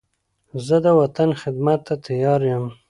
زه د وطن خدمت ته تیار یم.